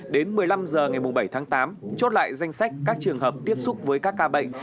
đến một mươi năm h ngày bảy tháng tám chốt lại danh sách các trường hợp tiếp xúc với các ca bệnh